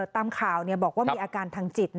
ตามข่าวบอกว่ามีอาการทางจิต